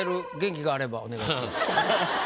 お願いします。